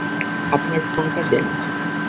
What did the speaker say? আপনার ফোনটা দেন?